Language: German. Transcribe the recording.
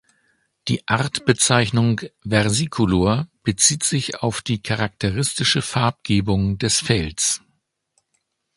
Die Artbezeichnung "versicolor" bezieht sich auf die charakteristische Farbgebung des Fells.